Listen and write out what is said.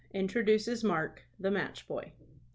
INTRODUCES MARK, THE MATCH BOY.